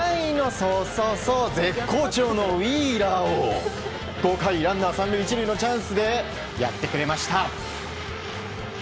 そうそう、絶好調のウィーラーを５回、ランナー３塁１塁のチャンスでやってくれました。